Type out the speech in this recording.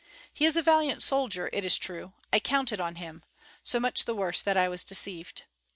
He is a valiant soldier, it is true. I counted on him, so much the worse that I was deceived.